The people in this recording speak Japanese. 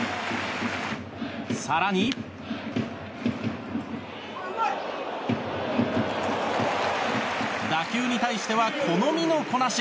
更に、打球に対してはこの身のこなし。